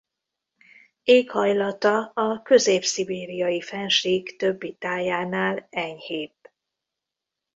Éghajlata a Közép-szibériai-fennsík többi tájánál enyhébb.